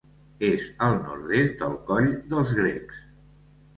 És al nord-est del Coll dels Grecs.